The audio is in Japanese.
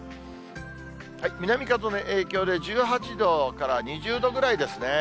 南風の影響で、１８度から２０度ぐらいですね。